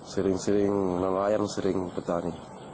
sering sering nelayan sering petani